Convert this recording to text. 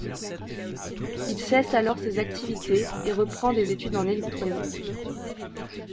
Il cesse alors ses activités et reprend des études en électronique.